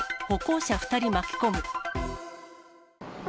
歩行者２人巻き込む。